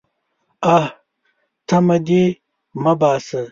_اه! تمه دې مه باسه.